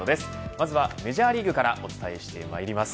まずはメジャーリーグからお伝えしてまいります。